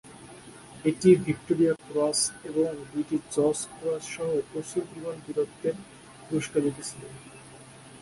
একটি Victoria Cross এবং দুটি জর্জ ক্রস সহ প্রচুর পরিমাণে বীরত্বের পুরস্কার জিতেছিল।